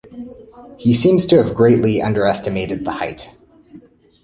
He seems to have greatly under-estimated the height.